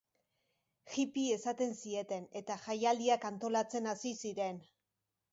Hippie esaten zieten eta jaialdiak antolatzen hasi ziren.